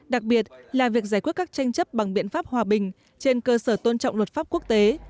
đặc biệt là việc giải quyết các tranh chấp bằng biện pháp hòa bình trên cơ sở tôn trọng luật pháp quốc tế